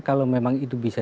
kalau memang itu bisa